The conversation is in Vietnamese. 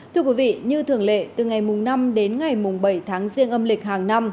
thưa quý vị như thường lệ từ ngày năm đến ngày bảy tháng riêng âm lịch hàng năm